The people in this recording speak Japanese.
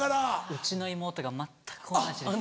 うちの妹が全く同じです。